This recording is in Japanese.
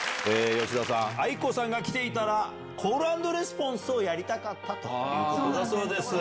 吉田さん、ａｉｋｏさんが来ていたら、コールアンドレスポンスをやりたかったということだそうです。